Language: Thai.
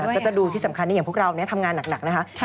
ก็จะดูที่สำคัญอย่างพวกเราทำงานหนักนะคะ